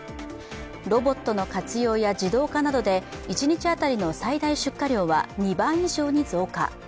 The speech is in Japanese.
ロボットの活用や自動化などで一日当たりの最大出荷量は２倍以上に増加。